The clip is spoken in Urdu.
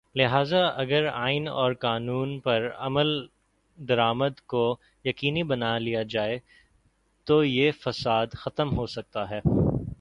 لہذا اگر آئین اور قانون پر عمل درآمد کو یقینی بنا لیا جائے تویہ فساد ختم ہو سکتا ہے۔